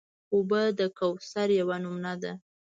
اوبه د کوثر یوه نمونه ده.